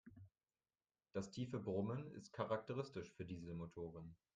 Das tiefe Brummen ist charakteristisch für Dieselmotoren.